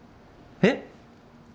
えっ？